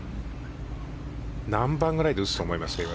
何番ぐらいで打つと思いますか？